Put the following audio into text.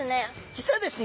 実はですね